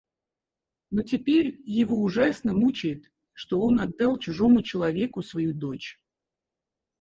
Но теперь его ужасно мучает, что он отдал чужому человеку свою дочь.